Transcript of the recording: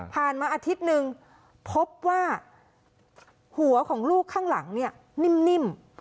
มาอาทิตย์หนึ่งพบว่าหัวของลูกข้างหลังเนี่ยนิ่ม